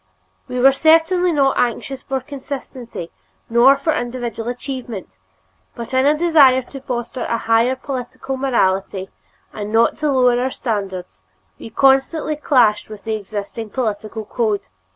We were certainly not anxious for consistency nor for individual achievement, but in a desire to foster a higher political morality and not to lower our standards, we constantly clashed with the existing political code.